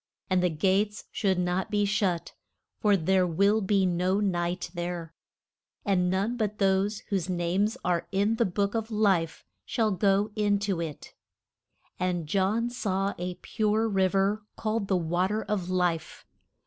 And the gates should not be shut, for there will be no night there. And none but those whose names are in the Book of Life shall go in to it. [Illustration: ST. JOHN'S VIS ION.] And John saw a pure riv er called the wa ter of life.